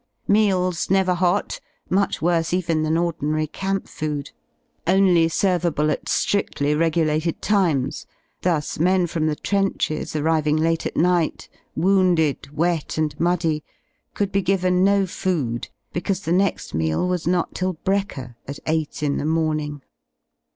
Meals never hot, much worse even than ordinary camp food. Only servable at ^ri(5lly regulated times; thus men from the trenches arriving late at night, wounded, wet and muddy, Could be given no food because the next meal was not till brekker at eight in the morning.